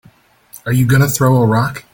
Are you gonna throw a rock?